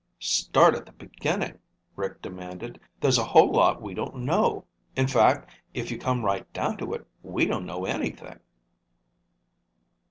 "Start at the beginning," Rick demanded. "There's a whole lot we don't know. In fact, if you come right down to it, we don't know anything."